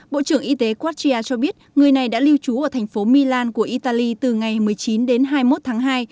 bộ trưởng y tế kratia cho biết người này đã lưu trú ở thành phố milan của italy từ ngày một mươi chín đến hai mươi một tháng hai